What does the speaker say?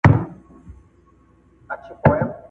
چي دئ یوازینی افغان واکمن ؤ